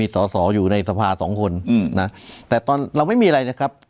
สอสออยู่ในสภาสองคนนะแต่ตอนเราไม่มีอะไรนะครับ